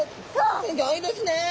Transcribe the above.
すギョいですね！